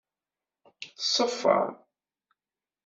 Tṣeffer.